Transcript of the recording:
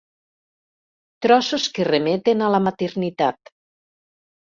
Trossos que remeten a la maternitat.